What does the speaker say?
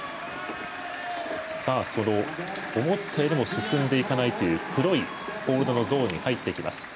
思ったよりも進んでいかない黒いホールドゾーンに入っていきます。